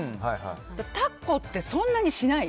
タコってそんなにしない。